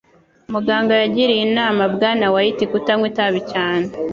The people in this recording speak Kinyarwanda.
Muganga yagiriye inama Bwana White kutanywa itabi cyane.